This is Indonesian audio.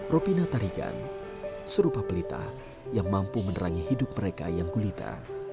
ropina tarigan serupa pelita yang mampu menerangi hidup mereka yang gulita